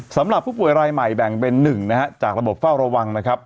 สำหรับผู้ป่วยรายใหม่แบ่งเป็น๑นะฮะจากระบบเฝ้าระวังนะครับ